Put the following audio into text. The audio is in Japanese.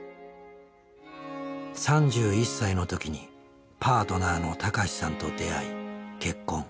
３１歳の時にパートナーの孝さんと出会い結婚。